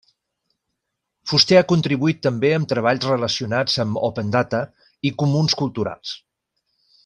Fuster ha contribuït també amb treballs relacionats amb Open Data i comuns culturals.